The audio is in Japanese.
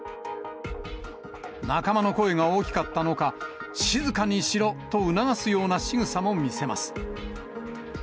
仲間の声が大きかったのか、静かにしろと促すようなしぐさも見せます。